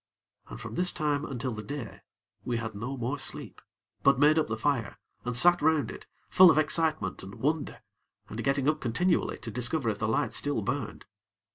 And from this time, until the day, we had no more sleep; but made up the fire, and sat round it, full of excitement and wonder, and getting up continually to discover if the light still burned.